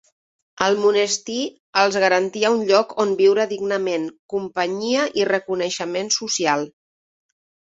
El monestir els garantia un lloc on viure dignament, companyia i reconeixement social.